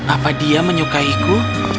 apa dia menyukaiku